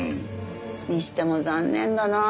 にしても残念だな。